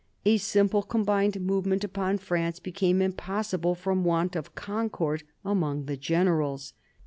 A simple combined movement upon France became impossible from want of concord among the generals.